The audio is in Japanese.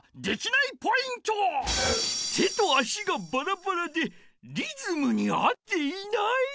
手と足がバラバラでリズムに合っていない。